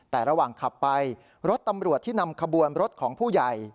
แต่ระหว่างขับไปรถตำรวจที่นำขบวนรถของผู้ใหญ่